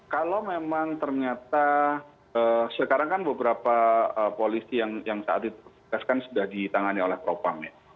kalau memang ternyata sekarang kan beberapa polisi yang saat itu kan sudah ditangani oleh propam ya